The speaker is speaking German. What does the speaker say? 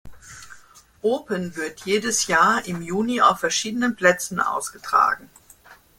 Open wird jedes Jahr im Juni auf verschiedenen Plätzen ausgetragen.